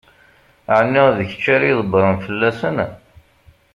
Ɛni d kečč ara ydebbṛen fell-asen?